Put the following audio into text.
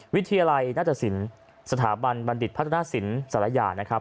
วิทยาลัยนาฏศิลป์สถาบันบัณฑิตพัฒนาศิลปศาลายานะครับ